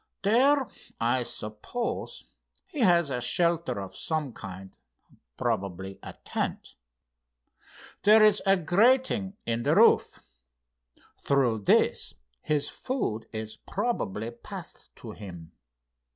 "There, I suppose, he has a shelter of some kind, probably a tent. There is a grating in the roof. Through this his food is probably passed to him.